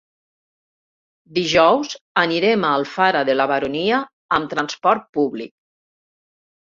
Dijous anirem a Alfara de la Baronia amb transport públic.